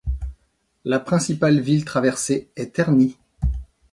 La principale ville traversée est Terni.